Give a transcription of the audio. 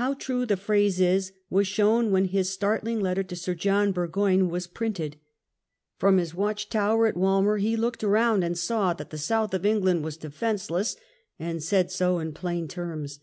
How true the phrase is, was shown when his startling letter to Sir John Burgoyne was printed. From his watch tower at Walmer he looked around, saw that the South of England was defenceless, and said so in plain terms.